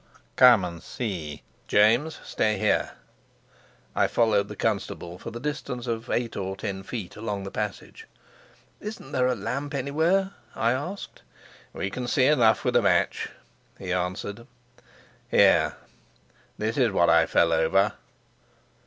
"Come and see. James, stay here." I followed the constable for the distance of eight or ten feet along the passage. "Isn't there a lamp anywhere?" I asked. "We can see enough with a match," he answered. "Here, this is what I fell over."